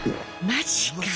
マジか。